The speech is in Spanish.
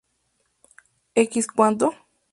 X cuánto?